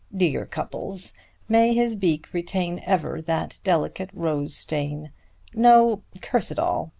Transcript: Dear Cupples! May his beak retain ever that delicate rose stain! No, curse it all!"